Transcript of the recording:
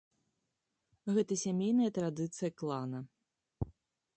Гэта сямейная традыцыя клана.